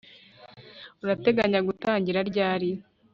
Urateganya gutangira ryari